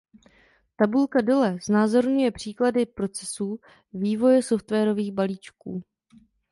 Tabulka dole znázorňuje příklady procesů vývoje softwarových balíčků.